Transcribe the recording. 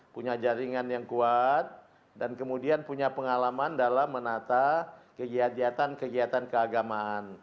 punya jaringan yang kuat dan kemudian punya pengalaman dalam menata kegiatan kegiatan keagamaan